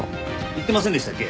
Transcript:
言ってませんでしたっけ？